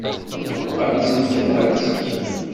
Ur nnumeɣ ara ttnekkareɣ-d zik.